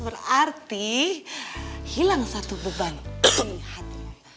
berarti hilang satu beban hati